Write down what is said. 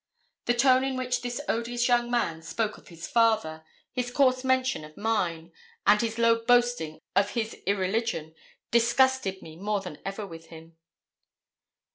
The tone in which this odious young man spoke of his father, his coarse mention of mine, and his low boasting of his irreligion, disgusted me more than ever with him.